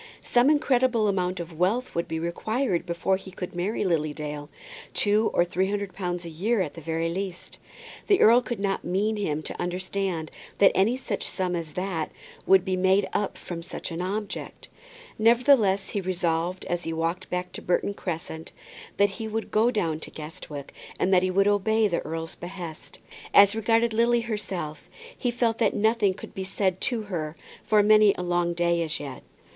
Some incredible amount of wealth would be required before he could marry Lily Dale. Two or three hundred pounds a year at the very least! The earl could not mean him to understand that any such sum as that would be made up with such an object! Nevertheless he resolved as he walked home to Burton Crescent that he would go down to Guestwick, and that he would obey the earl's behest. As regarded Lily herself he felt that nothing could be said to her for many a long day as yet.